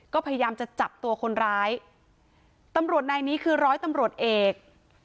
ก็พยายามจะจับตัวคนร้ายตำรวจนายนี้คือร้อยตำรวจเอก